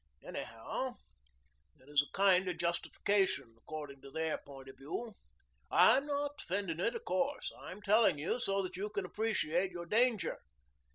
Anyhow, it is a kind of justification, according to their point of view. I'm not defending it, of course. I'm telling you so that you can appreciate your danger."